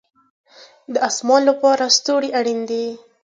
د اسمان لپاره ستوري اړین دي